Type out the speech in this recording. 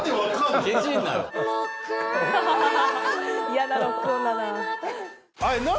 嫌なロックオンだな。